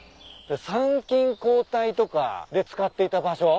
参勤交代とかで使っていた場所？